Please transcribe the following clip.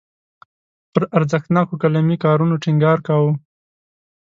پر ارزښتناکو قلمي کارونو ټینګار کاوه.